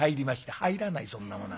「入らないそんなものは。